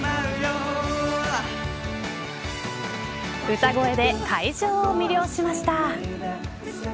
歌声で会場を魅了しました。